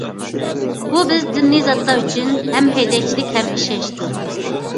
بۇ بىز دىنىي زاتلار ئۈچۈن ھەم ھەيدەكچىلىك ھەم ئىشەنچتۇر.